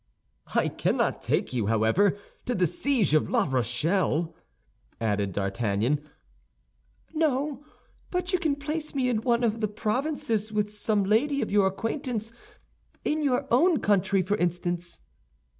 "I cannot take you, however, to the siege of La Rochelle," said D'Artagnan. "No; but you can place me in one of the provinces with some lady of your acquaintance—in your own country, for instance."